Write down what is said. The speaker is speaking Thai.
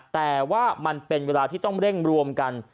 แต่ว่ามันเป็นเวลาที่ต้องเร่งรวมกัน